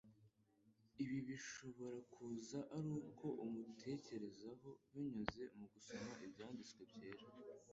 Ibi bibasha kuza ari uko umutekerezaho, binyuze mu gusoma Ibyanditswe Byera,